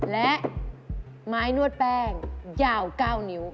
และไม้นวดแป้งยาว๙นิ้ว